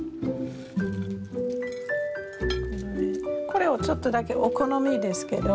これをちょっとだけお好みですけど。